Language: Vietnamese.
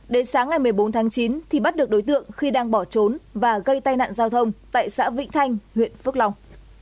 đến sáng ngày một mươi bốn tháng chín thì bắt được đối tượng khi đang bỏ trốn và gây tai nạn giao thông tại xã vĩnh thanh huyện phước long